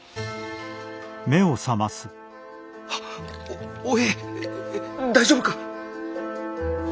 あっおえい大丈夫か？